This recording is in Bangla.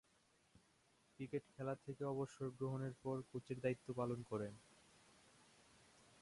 ক্রিকেট খেলা থেকে অবসর গ্রহণের পর কোচের দায়িত্ব পালন করেন।